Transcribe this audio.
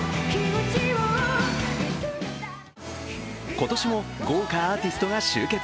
今年も豪華アーティストが集結。